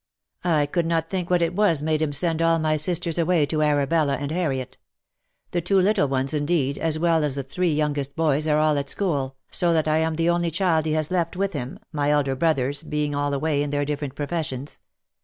I could not think what it was made him send all my sisters away to Arabella and Harriet. The two little ones, indeed, as well as the three youngest boys, are all at school, so that I am the only child he has left with him, my elder brothers being all away in their different professions.